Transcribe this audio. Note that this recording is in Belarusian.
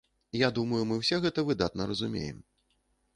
Я думаю, мы ўсе гэта выдатна разумеем.